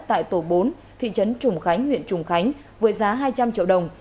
tại tổ bốn thị trấn trùng khánh huyện trùng khánh với giá hai trăm linh triệu đồng